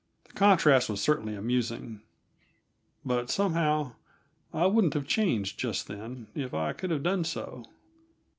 The contrast was certainly amusing. But, somehow, I wouldn't have changed, just then, if I could have done so.